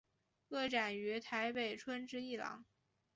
个展于台北春之艺廊。